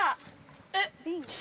えっ？